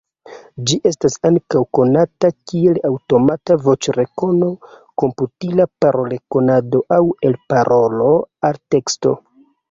Ĝi estas ankaŭ konata kiel aŭtomata voĉrekono, komputila parolrekonado aŭ elparolo-alteksto.